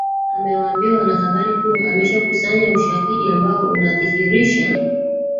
amewaambia wanahabari kuwa ameshakusanya ushahidi ambao unadhihirisha